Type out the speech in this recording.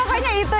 maaf ya bapak